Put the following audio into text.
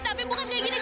tapi bukan kayak gini